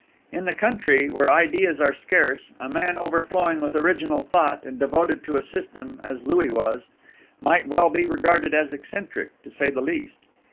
In the country, where ideas are scarce, a man overflowing with original thought and devoted to a system, as Louis was, might well be regarded as eccentric, to say the least.